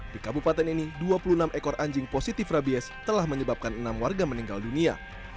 di kabupaten ini dua puluh enam ekor anjing positif rabies telah menyebabkan enam warga meninggal dunia